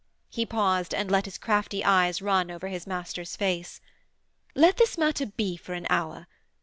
He paused and let his crafty eyes run over his master's face. 'Let this matter be for an hour.